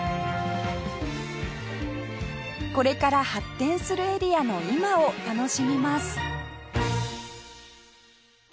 これから発展するエリアの今を楽しみます